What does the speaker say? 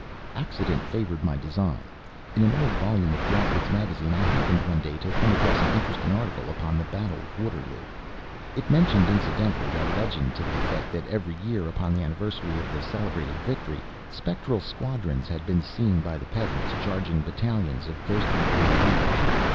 Accident favored my design. In an old volume of Blackwood's Magazine I happened, one day, to come across an interesting article upon the battle of Waterloo. It mentioned, incidentally, a legend to the effect that every year, upon the anniversary of the celebrated victory, spectral squadrons had been seen by the peasants charging battalions of ghostly grenadiers.